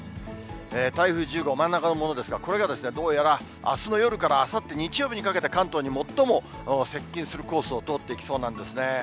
台風１０号、真ん中のものですが、これがどうやらあすの夜からあさって日曜日にかけて、関東に最も接近するコースを通っていきそうなんですね。